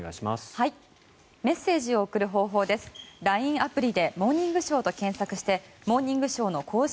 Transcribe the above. アプリで「モーニングショー」と検索して「モーニングショー」の公式